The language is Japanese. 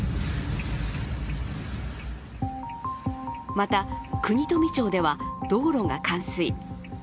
また、国富町では道路が冠水。